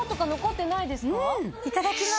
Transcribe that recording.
いただきます。